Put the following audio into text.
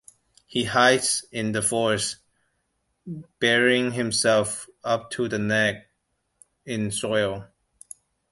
He hides in the forest, burying himself up to the neck in soil.